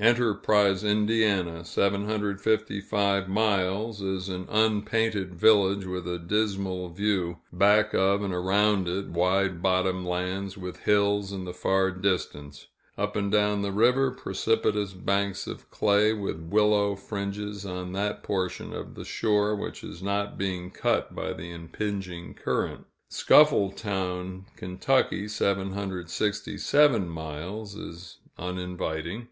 Enterprise, Ind. (755 miles), is an unpainted village with a dismal view back of and around it, wide bottom lands, with hills in the far distance; up and down the river, precipitous banks of clay, with willow fringes on that portion of the shore which is not being cut by the impinging current. Scuffletown, Ky. (767 miles), is uninviting.